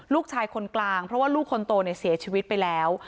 ลูกชายคนกลางเพราะว่าลูกคนโตเนี่ยเสียชีวิตไปแล้ว